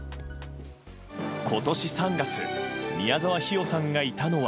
今年３月宮沢氷魚さんがいたのは。